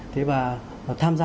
thế và tham gia